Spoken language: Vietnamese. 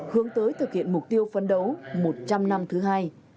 hướng tới thực hiện mục tiêu phấn đấu một trăm linh năm thứ hai